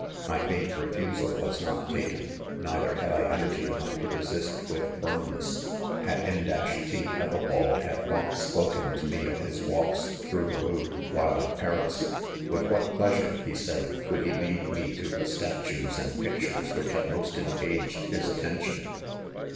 My faint refusal was not taken ; neither had I : energy enough to resist with, firmness.. , *At N t, Ethelwald had once spoken to me of his walks through the Louvre while at Paris. "With what pleasure/' he said s " could he lead, me to the statues and pic« lures which had most engaged his attention.